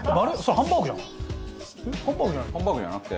ハンバーグじゃなくて？